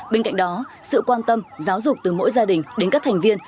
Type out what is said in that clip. bên cạnh đó sự quan tâm giáo dục từ mỗi gia đình đến các thành viên